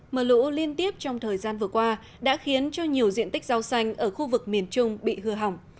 mờ lũ liên tiếp trong thời gian vừa qua đã khiến cho nhiều diện tích rau xanh ở khu vực miền trung bị hư hỏng